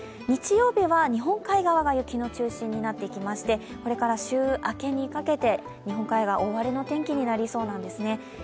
日曜日は日本海側が雪の中心になっていきましてこれから週明けにかけて日本海側、大荒れの天気になりそうなんですね。